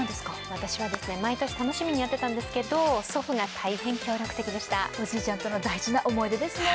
私はですね、毎年楽しみにやってたんですけど、祖父が大変協力的でしたおじいちゃんとの大事な思い出ですね。